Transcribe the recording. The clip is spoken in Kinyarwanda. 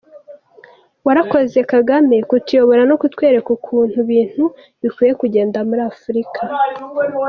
Warakoze Kagame kutuyobora no kutwereka uko ibintu bikwiye kugenda muri Afurika.